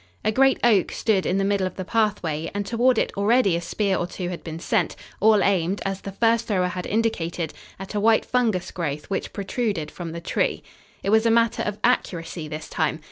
A great oak stood in the middle of the pathway and toward it already a spear or two had been sent, all aimed, as the first thrower had indicated, at a white fungus growth which protruded from the tree. It was a matter of accuracy this time.